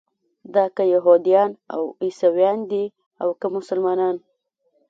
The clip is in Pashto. دا که یهودیان او عیسویان دي او که مسلمانان.